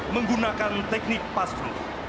menggunakan teknik pass through